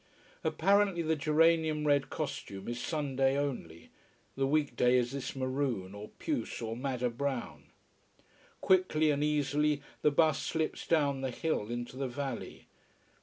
Apparently the geranium red costume is Sunday only, the week day is this maroon, or puce, or madder brown. Quickly and easily the bus slips down the hill into the valley.